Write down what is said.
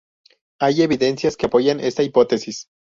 Hay evidencias que apoyan esta hipótesis.